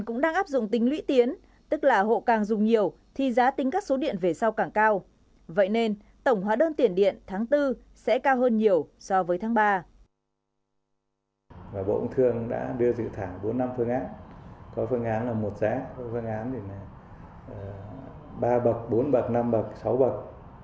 có phương án là một giá có phương án là ba bậc bốn bậc năm bậc sáu bậc